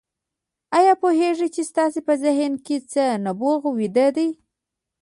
آيا پوهېږئ چې ستاسې په ذهن کې څه نبوغ ويده دی؟